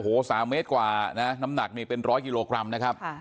โอ้โห๓เมตรกว่านะน้ำหนักนี่เป็นร้อยกิโลกรัมนะครับ